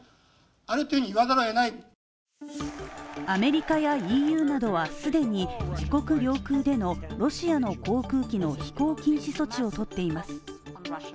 アメリカやＥＵなどは既に自国領空でのロシアの航空機の飛行禁止措置を取っています。